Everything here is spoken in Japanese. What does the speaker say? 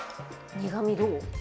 苦みどう？